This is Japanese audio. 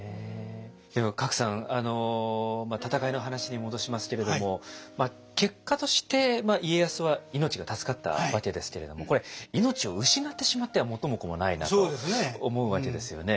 でも加来さん戦いの話に戻しますけれども結果として家康は命が助かったわけですけれどもこれ命を失ってしまっては元も子もないなと思うわけですよね。